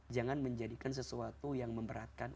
jangan menjadikan sesuatu yang memberatkan